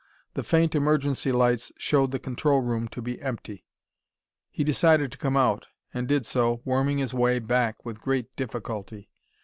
The faint emergency lights showed the control room to be empty. He decided to come out, and did so, worming his way back with great difficulty.